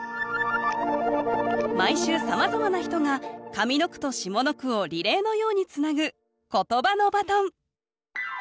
毎週さまざまな人が上の句と下の句をリレーのようにつなぐ「ことばのバトン」。